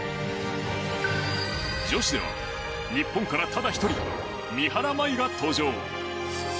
女子では日本からただ１人三原舞依が登場。